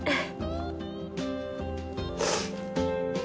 うん。